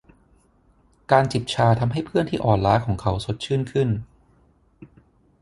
การจิบชาทำให้เพื่อนที่อ่อนล้าของเขาสดชื่นขึ้น